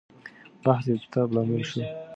بحث د يو کتاب لامل شو.